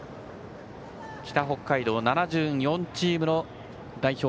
北北海道７４チームの代表